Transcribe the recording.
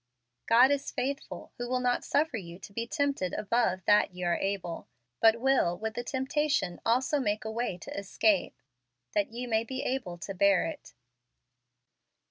" God is faithful, who will not sufer you to be tempted above that ye are able; but will with the temptation also make a way to escape, that ye may be able to bear it